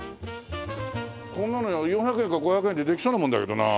こんなの４００円か５００円でできそうなもんだけどなあ。